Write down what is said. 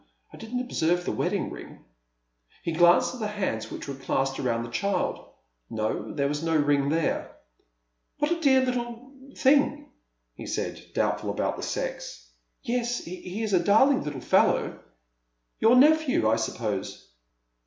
I didn't observe the wedding iing." He glanced at the hands which were clasped round the child. No, there was no ring there. " What a dear little — thing !" he said, doubtful about the sex. " Yes, he is a darling little fellow." " Your nephew, I suppose